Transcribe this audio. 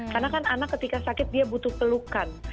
karena kan anak ketika sakit dia butuh pelukan